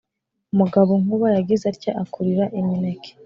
umugabo nkuba yagize atya akurira imineke